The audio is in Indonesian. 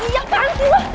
ih apaan sih gue